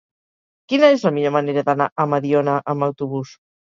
Quina és la millor manera d'anar a Mediona amb autobús?